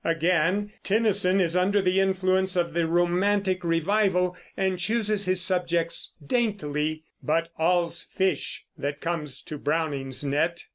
Again, Tennyson is under the influence of the romantic revival, and chooses his subjects daintily; but "all's fish" that comes to Browning's net.